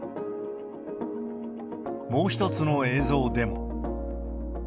もう一つの映像でも。